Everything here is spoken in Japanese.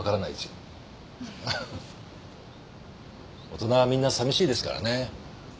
大人はみんなさみしいですからね。